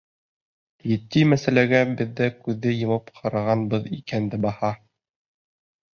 Етди мәсьәләгә беҙ ҙә күҙҙе йомоп ҡарағанбыҙ икән дәбаһа.